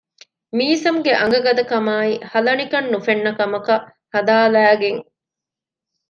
މީސަމް ގެ އަނގަ ގަދަކަމާއި ހަލަނިކަން ނުފެންނަ ކަމަކަށް ހަދާލައިގެން